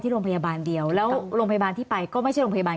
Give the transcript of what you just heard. โรงพยาบาลเดียวแล้วโรงพยาบาลที่ไปก็ไม่ใช่โรงพยาบาล